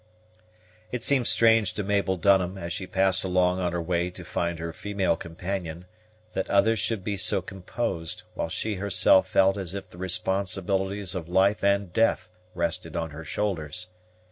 It seemed strange to Mabel Dunham, as she passed along on her way to find her female companion, that others should be so composed, while she herself felt as if the responsibilities of life and death rested on her shoulders.